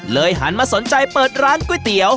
หันมาสนใจเปิดร้านก๋วยเตี๋ยว